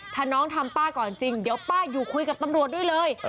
ถ้าน้องทำป้าก่อนจริงเดี๋ยวป้าอยู่คุยกับตำรวจด้วยเลย